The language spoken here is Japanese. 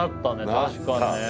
確かにね。